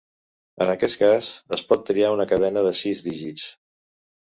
En aquest cas, es pot triar una cadena de sis dígits.